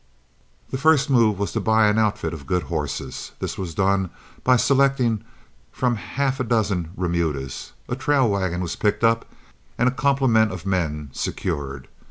The first move was to buy an outfit of good horses. This was done by selecting from half a dozen remudas, a trail wagon was picked up, and a complement of men secured.